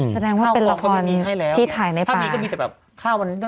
แสดงว่าเป็นละครที่ทรายในป่าห้าวางบุนนี้แล้วห้าวงบุนให้แหละ